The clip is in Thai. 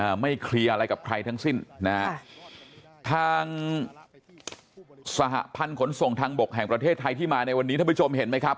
ไม่เคลียร์อะไรกับใครทั้งสิ้นนะฮะค่ะทางสหพันธ์ขนส่งทางบกแห่งประเทศไทยที่มาในวันนี้ท่านผู้ชมเห็นไหมครับ